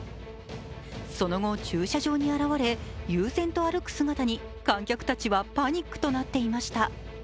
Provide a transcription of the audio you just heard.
その後、駐車場に現れ、悠然と歩く姿に観客たちはパニックとなっていました。